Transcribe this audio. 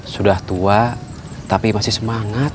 sudah tua tapi masih semangat